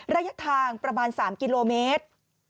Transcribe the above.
ระยะทางประมาณ๓กิโลเมตร